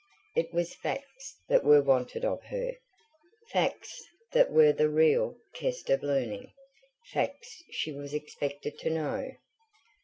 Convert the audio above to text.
It was facts that were wanted of her; facts that were the real test of learning; facts she was expected to know.